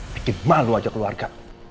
pikir malu aja keluarga